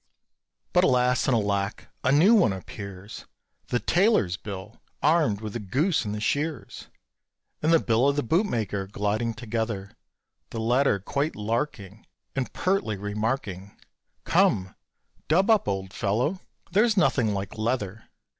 But alas and alack! a new one appears, The tailor's bill, armed with the goose and the shears, And the bill of the bootmaker, gliding together; The latter quite "larking," And pertly remarking, "Come, dub up, old fellow, there's nothing like leather."